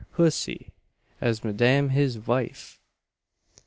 hussey! as madame his vife!"